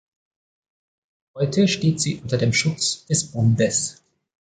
Heute steht sie unter dem Schutz des Bundes.